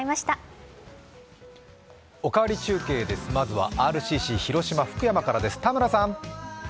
「おかわり中継」ですまずはＲＣＣ、広島からです。